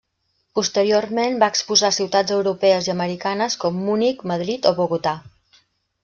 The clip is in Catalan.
Posteriorment va exposar a ciutats europees i americanes com Munic, Madrid o Bogotà.